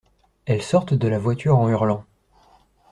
Elles sortent de la voiture en hurlant.